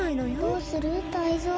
どうするタイゾウ？